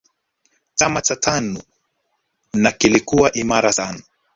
chama cha tanu na kilikuwa imara sana